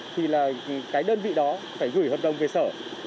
thì là cái đơn vị đó phải gửi hợp đồng về sở